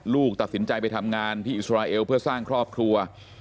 ลูกตัดสินใจไปทำงานที่อิสราเอลเพื่อสร้างครอบครัว